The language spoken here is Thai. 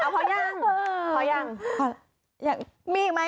โบนเยี่ยมแน่